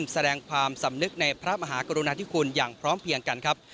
แสดงความสำนึกในพระมหากรุณาธิคุณอย่างพร้อมเพียงกันครับ